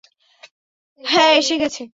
হ্যাঁ, এসে গেছে।